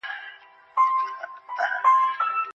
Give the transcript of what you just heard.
د مهاراجا ملګري باید د شاه شجاع ملګري وي.